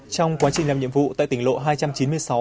trong quá trình làm nhiệm vụ tại tỉnh lộ hai trăm chín mươi sáu